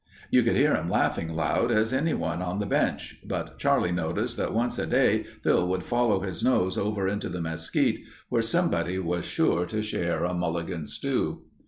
You could hear him laughing loud as anybody on the bench, but Charlie noticed that once a day Phil would follow his nose over into the mesquite where somebody was sure to share a mulligan stew.